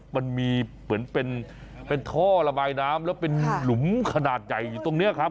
มันมีเหมือนเป็นท่อระบายน้ำแล้วเป็นหลุมขนาดใหญ่อยู่ตรงนี้ครับ